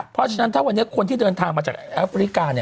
เพราะฉะนั้นถ้าวันนี้คนที่เดินทางมาจากแอฟริกา